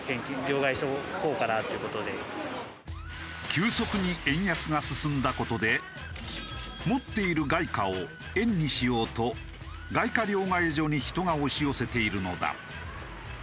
急速に円安が進んだ事で持っている外貨を円にしようと外貨両替所に人が押し寄せているのだ。